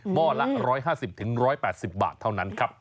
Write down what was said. ห้อละ๑๕๐๑๘๐บาทเท่านั้นครับ